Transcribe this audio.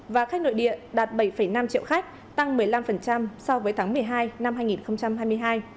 và khách nội địa đạt bảy năm triệu khách tăng một mươi năm so với tháng một mươi hai năm hai nghìn hai mươi hai